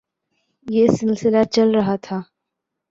یہ سلسلہ چل رہا تھا۔